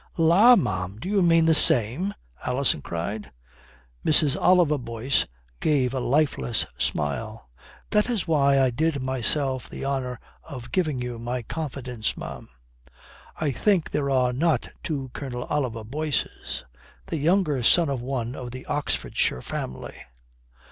"La, ma'am, do you mean the same?" Alison cried. Mrs. Oliver Boyce gave a lifeless smile. "That is why I did myself the honour of giving you my confidence, ma'am. I think there are not two Colonel Oliver Boyces. The younger son of one of the Oxfordshire family."